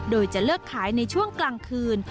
โดยจะเลิกขายในช่วงกลางคืน